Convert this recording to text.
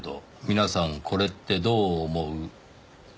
「皆さんこれってどう思う？」ですか。